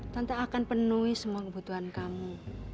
tentu akan penuhi semua kebutuhan kamu